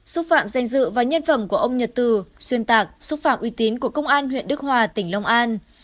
xúc phạm danh dự và nhân phẩm của ông nhật từ xuyên tạc xúc phạm uy tín của công an huyện đức hòa tỉnh long an